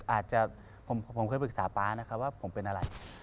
อาจจะผมเคยปรึกษาป๊านะครับว่าผมเป็นอะไร